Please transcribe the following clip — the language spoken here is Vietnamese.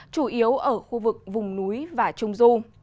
chủ yếu ở khu vực vùng núi và trung du